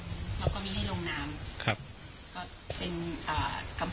แล้วก็มีให้ลงน้ำ